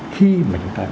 khi mà chúng ta